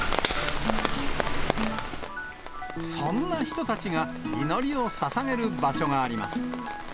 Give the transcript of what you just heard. そんな人たちが、祈りをささげる場所があります。